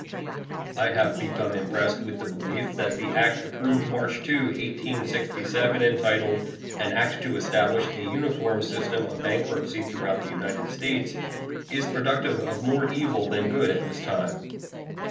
I have become impressed with the belief that the act approved March 2, 1867, entitled "An act to establish a uniform system of bankruptcy throughout the United States," is productive of more evil than good at this time.